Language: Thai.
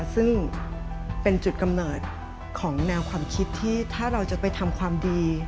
ซึ่งเป็นจุดกำเนิดของแนวความคิดที่ถ้าเราจะไปทำความดี